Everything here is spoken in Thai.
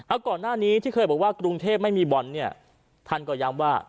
เอาก่อนหน้านี้ที่เคยบอกว่ากรุงเทพไม่มีบอลเนี่ยท่านก็ย้ำว่า